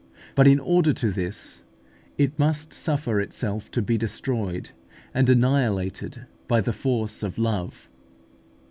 But in order to this, it must suffer itself to be destroyed and annihilated by the force of love.